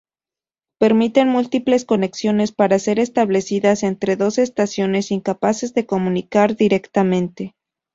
Permiten múltiples conexiones para ser establecidas entre dos estaciones incapaces de comunicar directamente.